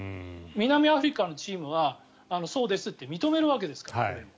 南アフリカのチームはそうですって認めるわけですから。